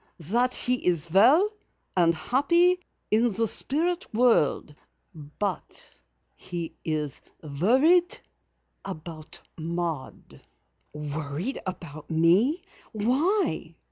"That he is well and happy in the Spirit World, but he is worried about Maud." "Worried about me? Why?"